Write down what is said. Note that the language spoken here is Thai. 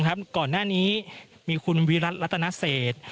ก่อนหน้านี้มีคุณวิรัติรัตนเศษ